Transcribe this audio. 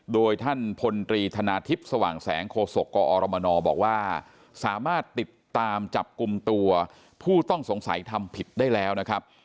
โดยท่านพลตรีธนาทิพย์สว่างแสงโคศกกอรมนบอกว่าสามารถติดตามจับกลุ่มตัวผู้ต้องสงสัยทำผิดได้แล้วนะครับ